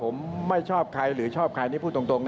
ผมไม่ชอบใครหรือชอบใครนี่พูดตรง